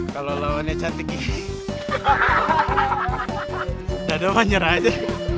kalau lawannya cantik gini dadah manyerah aja